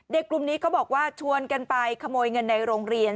กลุ่มนี้เขาบอกว่าชวนกันไปขโมยเงินในโรงเรียน